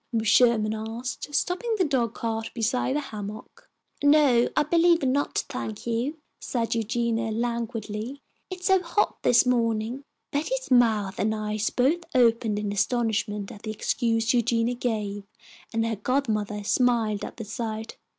Mrs. Sherman asked, stopping the dog cart beside the hammock. "No, I believe not, thank you," said Eugenia, languidly. "It's so hot this morning." Betty's mouth and eyes both opened in astonishment at the excuse Eugenia gave, and her godmother smiled at the sight.